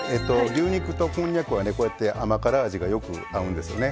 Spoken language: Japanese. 牛肉とこんにゃくはねこうやって甘辛味がよく合うんですよね。